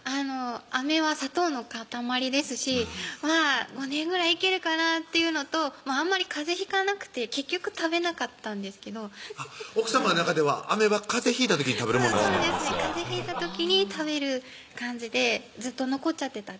飴は砂糖の塊ですしまぁ５年ぐらいいけるかなっていうのとあんまりかぜひかなくて結局食べなかったんですけど奥さまの中では飴はかぜひいた時に食べるものなんですねかぜひいた時に食べる感じでずっと残っちゃってた